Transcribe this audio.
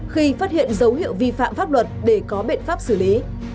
khi phát hiện dấu hiệu vi phạm pháp luật để có biện pháp xử lý